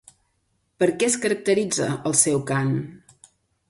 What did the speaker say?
Per què es caracteritza el seu cant?